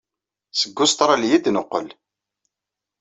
Seg Ustṛalya ay d-neqqel.